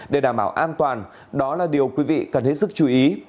để đảm bảo an toàn đó là điều quý vị cần hết sức chú ý